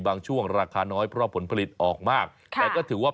ก็ใช้เวลาไม่มากด้วยนะแล้วก็รายได้ก็ถือว่า